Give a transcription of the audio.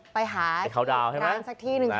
ไปหาที่นั่งสักที่นึง